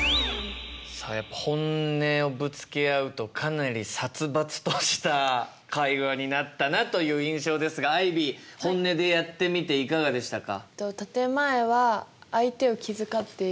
さあやっぱ本音をぶつけ合うとかなり殺伐とした会話になったなという印象ですがアイビー本音でやってみていかがでしたか？